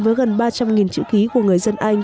với gần ba trăm linh chữ ký của người dân anh